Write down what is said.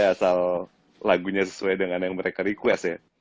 asal lagunya sesuai dengan yang mereka request ya